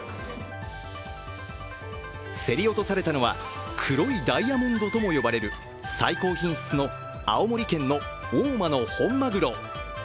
競り落とされたのは黒いダイヤモンドとも呼ばれる最高品質の青森県の大間の本まぐろ。